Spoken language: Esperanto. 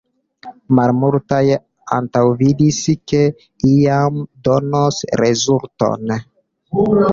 Malmultaj antaŭvidis, ke iam donos rezulton.